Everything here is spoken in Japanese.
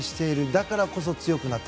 だからこそ強くなった。